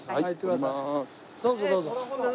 どうぞどうぞ。